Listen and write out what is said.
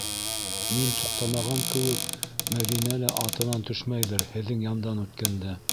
Мин туҡтамаған кеүек, Мәҙинә лә атынан төшмәйҙер һеҙҙең яндан үткәндә.